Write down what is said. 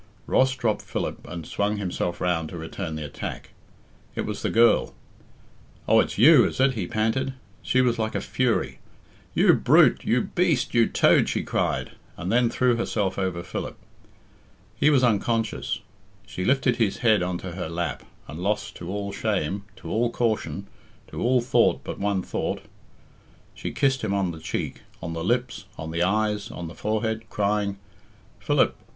Ross dropped Philip and swung himself round to return the attack. It was the girl. "Oh, it's you, is it?" he panted. She was like a fury. "You brute, you beast, you toad," she cried, and then threw herself over Philip. He was unconscious. She lifted his head on to her lap, and, lost to all shame, to all caution, to all thought but one thought, she kissed him on the cheek, on the lips, on the eyes, on the forehead, crying, "Philip!